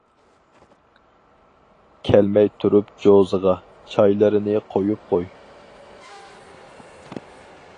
كەلمەي تۇرۇپ جوزىغا، چايلىرىنى قۇيۇپ قوي.